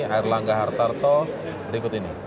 airlangga hartarto berikut ini